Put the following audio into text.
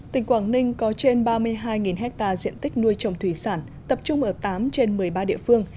tỉnh quảng ninh có trên ba mươi hai ha diện tích nuôi trồng thủy sản tập trung ở tám trên một mươi ba địa phương